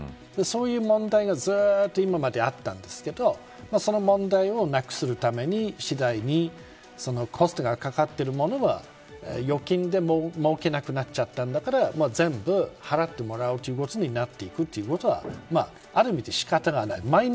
そういう問題がずっと今まであったんですけどその問題をなくすために次第にコストがかかっているものは預金でももうけなくなっちゃったんだから全部払ってもらうということになっていくということはある意味で仕方がない。